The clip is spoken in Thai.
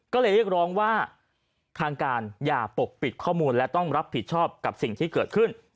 ก็เลยเรียกร้องว่าทางการอย่าปกปิดข้อมูลและต้องรับผิดชอบกับสิ่งที่เกิดขึ้น